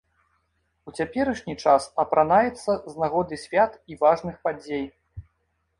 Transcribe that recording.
У цяперашні час апранаецца з нагоды свят і важных падзей.